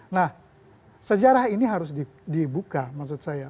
nah sejarah ini harus dibuka maksud saya